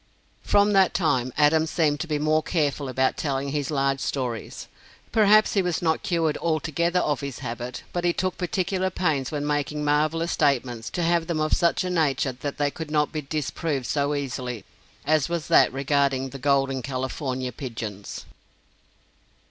From that time, Adams seemed to be more careful about telling his large stories. Perhaps he was not cured altogether of his habit, but he took particular pains when making marvelous statements to have them of such a nature that they could not be disproved so easily as was that regarding the "Golden California Pigeons."